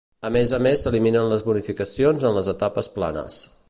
A més a més s'eliminen les bonificacions en les etapes planes.